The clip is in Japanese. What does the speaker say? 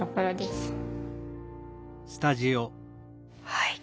はい。